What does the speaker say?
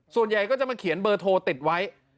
ส่วนใหญ่ก็จะมาเขียนเบอร์โทรติดไว้